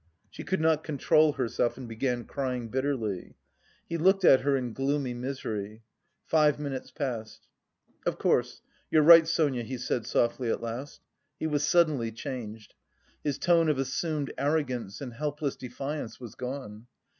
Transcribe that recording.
She could not control herself and began crying bitterly. He looked at her in gloomy misery. Five minutes passed. "Of course you're right, Sonia," he said softly at last. He was suddenly changed. His tone of assumed arrogance and helpless defiance was gone.